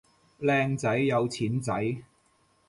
靚仔有錢仔